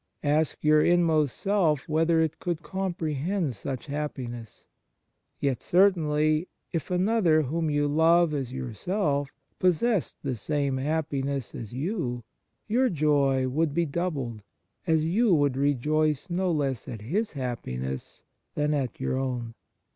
Ask your inmost self whether it could comprehend such happiness . Yet , certainly, if another whom you love as yourself possessed the same happiness as you, your joy would be doubled, as you would rejoice no less at his happiness than at your own.